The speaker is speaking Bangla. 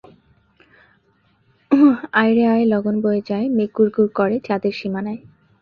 আয় রে আয় লগন বয়ে যায় মেঘ গুড় গুড় করে চাঁদের সীমানায়!